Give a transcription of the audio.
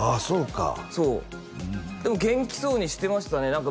そうかそうでも元気そうにしてましたね